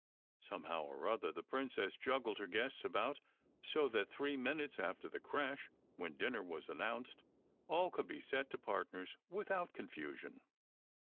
Somehow or other the princess juggled her guests about so that three min utes after the crash, when dinner was announced, all could "set to partners" without confusion.